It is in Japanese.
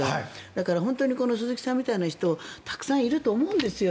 だから本当に鈴木さんみたいな人たくさんいると思うんですよ